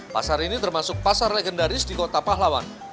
pasar ini termasuk pasar legendaris di kota pahlawan